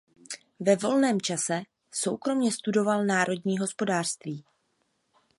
Ve volném čase soukromě studoval národní hospodářství.